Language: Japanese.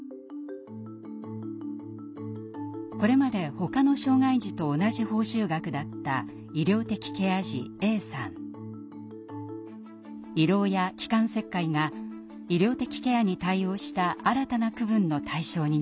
これまでほかの障害児と同じ報酬額だった胃ろうや気管切開が医療的ケアに対応した新たな区分の対象になりました。